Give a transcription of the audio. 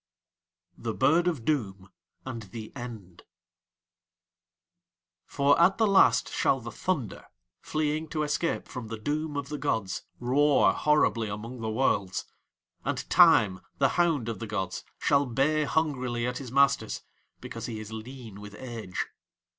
THE BIRD OF DOOM AND THE END For at the last shall the thunder, fleeing to escape from the doom of the gods, roar horribly among the Worlds; and Time, the hound of the gods, shall bay hungrily at his masters because he is lean with age.